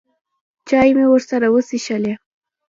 چای مې ورسره وڅښلې.